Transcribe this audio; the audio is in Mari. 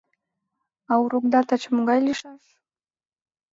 А урокда таче могай лийшаш?